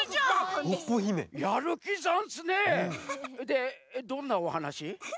でどんなおはなし？